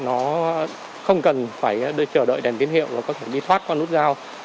nó không cần phải đợi chờ đợi đèn tiến hiệu và có thể đi thoát qua nút giao